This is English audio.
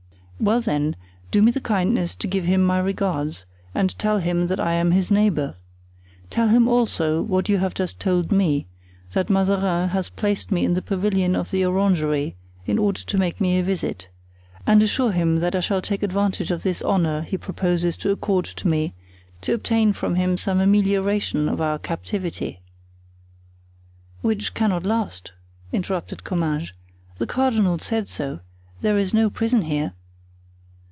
"Well, then, do me the kindness to give him my regards and tell him that I am his neighbor. Tell him also what you have just told me—that Mazarin has placed me in the pavilion of the orangery in order to make me a visit, and assure him that I shall take advantage of this honor he proposes to accord to me to obtain from him some amelioration of our captivity." "Which cannot last," interrupted Comminges; "the cardinal said so; there is no prison here."